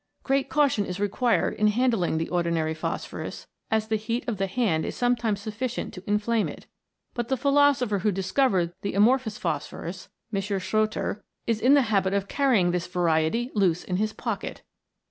Great caution is required in handling the ordinary phosphorus, as the heat of the hand is sometimes sufficient to inflame it ; but the philoso pher who discovered the amorphous phosphorus* is in the habit of carrying this variety loose in his pocket.